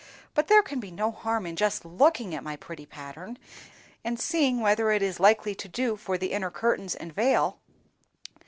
"But there can be no harm in just looking at my pretty pattern, and seeing whether it is likely to do for the inner curtains and veil."